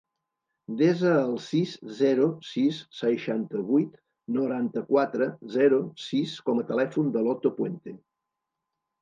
Desa el sis, zero, sis, seixanta-vuit, noranta-quatre, zero, sis com a telèfon de l'Otto Puente.